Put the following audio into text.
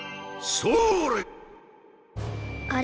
それ！